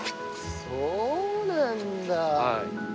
そうなんだ。